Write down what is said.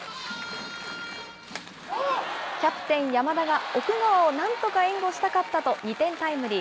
キャプテン、山田が奥川をなんとか援護したかったと、２点タイムリー。